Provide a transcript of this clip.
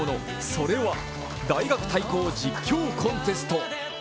それは大学対抗実況コンテスト。